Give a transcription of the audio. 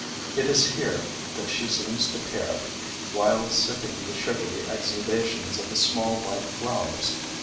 It is here that she seems to pair, while sipping the sugary exudations of the small white flowers.